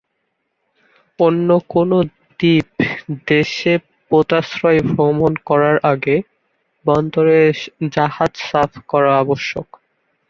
অন্য কোন দ্বীপ দেশে পোতাশ্রয় ভ্রমণ করার আগে বন্দরে জাহাজ সাফ করা আবশ্যক।